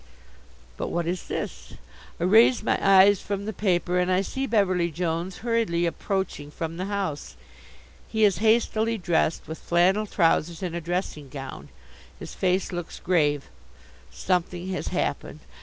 But what is this? I raise my eyes from the paper and I see Beverly Jones hurriedly approaching from the house. He is hastily dressed, with flannel trousers and a dressing gown. His face looks grave. Something has happened.